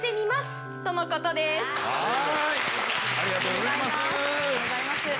ありがとうございます。